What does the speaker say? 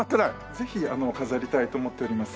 ぜひ飾りたいと思っております。